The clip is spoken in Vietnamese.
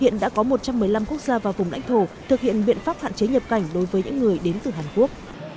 hiện đã có một trăm một mươi năm quốc gia và vùng lãnh thổ thực hiện biện pháp hạn chế nhập cảnh đối với những người đến từ hàn quốc